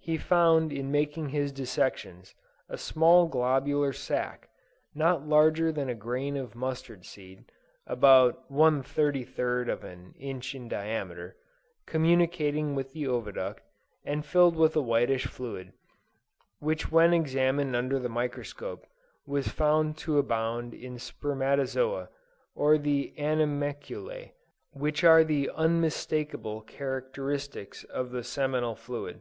He found in making his dissections, a small globular sac, not larger than a grain of mustard seed, (about 1/33 of an inch in diameter,) communicating with the oviduct, and filled with a whitish fluid, which when examined under the microscope, was found to abound in spermatozoa, or the animalculæ, which are the unmistakable characteristics of the seminal fluid.